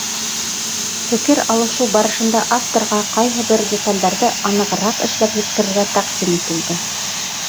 Фекер алышыу барышында авторға ҡайһы бер деталдәрҙе анығыраҡ эшләп еткерергә тәҡдим ителде.